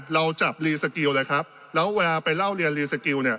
เราจับเลยครับแล้วเวลาไปเล่าเรียนเนี่ย